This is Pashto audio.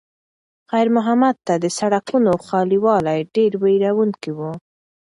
خیر محمد ته د سړکونو خالي والی ډېر وېروونکی و.